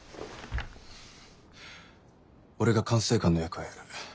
俺が管制官の役をやる。